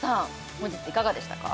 本日いかがでしたか？